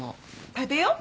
食べよう。